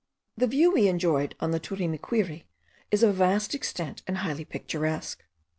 The view we enjoyed on the Turimiquiri is of vast extent, and highly picturesque.